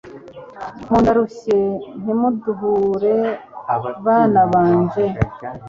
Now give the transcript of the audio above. mu ndarushye ntimunduhure bana banje